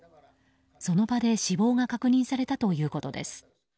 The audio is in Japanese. その場で死亡が確認されたということです。